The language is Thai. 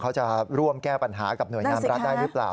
เขาจะร่วมแก้ปัญหากับหน่วยงานรัฐได้หรือเปล่า